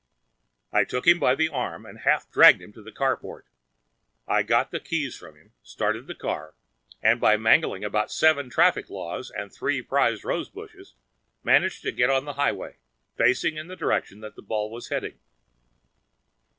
I took him by the arm and half dragged him to the carport. I got the keys from him, started the car, and by mangling about seven traffic laws and three prize rosebushes, managed to get on the highway, facing in the direction that the ball was heading.